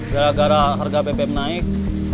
gara gara harga bbm naik